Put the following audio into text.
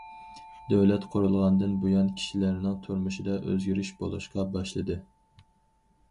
دۆلەت قۇرۇلغاندىن بۇيان، كىشىلەرنىڭ تۇرمۇشىدا ئۆزگىرىش بولۇشقا باشلىدى.